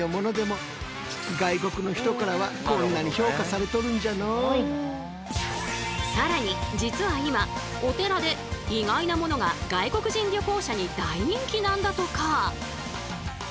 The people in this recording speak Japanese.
そして売り場ではさらに実は今お寺で意外なものが外国人旅行者に大人気なんだとか！